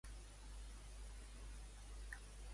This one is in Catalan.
Què ha comentat el Süddeutsche Zeitung?